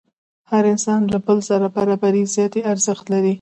هر انسان له بل سره برابر ذاتي ارزښت لري.